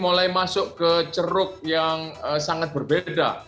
tapi kalau kita mulai masuk ke ceruk yang sangat berbeda